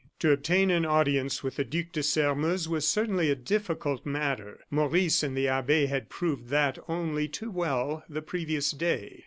To obtain an audience with the Duc de Sairmeuse was certainly a difficult matter; Maurice and the abbe had proved that only too well the previous day.